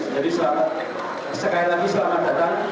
jadi sekali lagi selamat datang